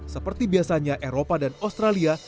seperti biasanya eropa dan australia